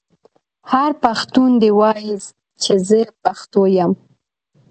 هر پښتون دې ووايي چې زه پښتو یم.